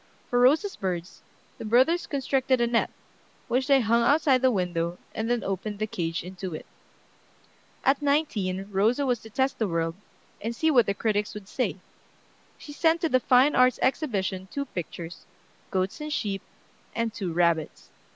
For Rosa's birds, the brothers constructed a net, which they hung outside the window, and then opened the cage into it. At nineteen Rosa was to test the world, and see what the critics would say. She sent to the Fine Arts Exhibition two pictures, "Goats and Sheep" and "Two Rabbits."